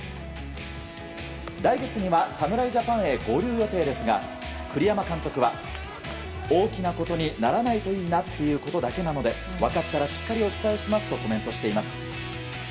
来月には侍ジャパンへ合流予定ですが栗山監督は大きなことにならないといいなということだけなので分かったらしっかりお伝えしますとコメントしています。